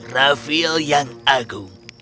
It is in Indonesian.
raphel yang agung